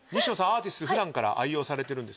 アーティス普段から愛用されてるんですよね？